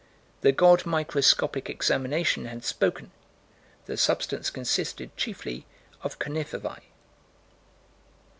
The god Microscopic Examination had spoken. The substance consisted chiefly of conifervæ.